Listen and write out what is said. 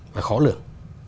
và khó lường